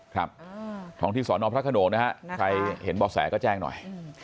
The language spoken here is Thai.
ของที่สอนอบพระขนวงนะครับใครเห็นบอกแสวก็แจ้งหน่อย